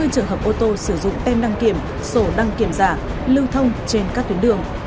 hai mươi trường hợp ô tô sử dụng tem đăng kiểm sổ đăng kiểm giả lưu thông trên các tuyến đường